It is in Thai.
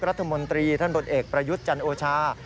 รัฐมนตรีท่านผลเอกประยุทธ์จันโอชา